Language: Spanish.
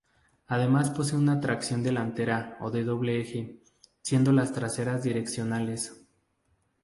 Además posee una tracción delantera o de doble eje, siendo las traseras direccionales.